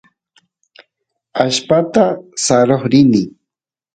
allpata saroq rini